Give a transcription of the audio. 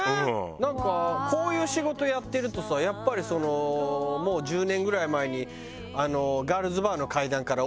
なんかこういう仕事やってるとさやっぱりそのもう１０年ぐらい前にああーあったね。